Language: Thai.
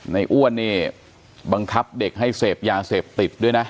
อ้วนเนี่ยบังคับเด็กให้เสพยาเสพติดด้วยนะ